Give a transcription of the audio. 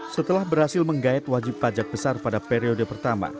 setelah berhasil menggayat wajib pajak besar pada periode pertama